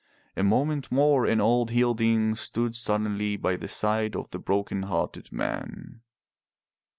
A moment more and old Hilding stood suddenly by the side of the broken hearted man.